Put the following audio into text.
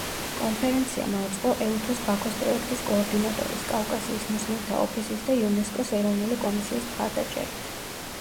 კონფერენცია მოეწყო ეუთოს ბაქოს პროექტის კოორდინატორის, კავკასიის მუსლიმთა ოფისის და იუნესკოს ეროვნული კომისიის მხარდაჭერით.